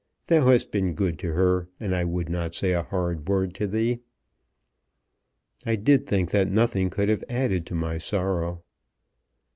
Thou hast been good to her, and I would not say a hard word to thee." "I did think that nothing could have added to my sorrow."